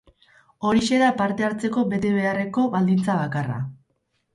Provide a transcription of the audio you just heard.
Horixe da parte hartzeko bete beharreko baldintza bakarra.